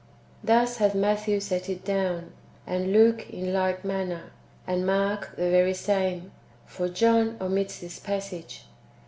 ^ Thus hath Matthew set it down, and Luke in like manner, and Mark ^ the very same ; for John omits this passage.